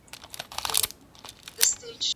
ابدالي پښتنو په هغه وخت کې کوچي ژوند کاوه.